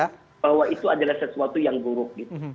karena kita tahu bahwa itu adalah sesuatu yang buruk